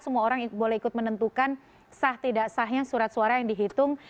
semua orang boleh ikut menentukan sah tidak sahnya surat suara yang dihitung